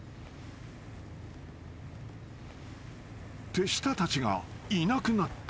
［手下たちがいなくなった］